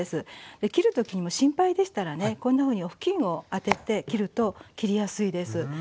で切るときにもう心配でしたらねこんなふうにお布巾を当てて切ると切りやすいです。